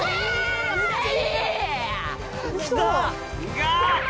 が！